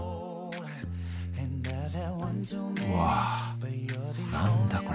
うわ何だこれ。